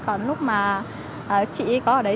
còn lúc mà chị ấy có ở đấy